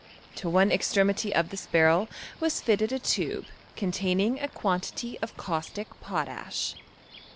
To one extremrty of this barrel was fitted a tube containing a quantity of caustic potash.